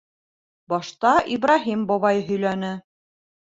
Башта Ибраһим бабай һөйләне.